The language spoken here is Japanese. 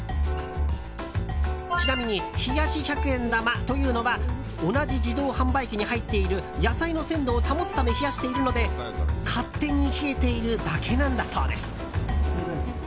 ちなみに冷やし百円玉というのは同じ自動販売機に入っている野菜の鮮度を保つため冷やしているので勝手に冷えているだけなんだそうです。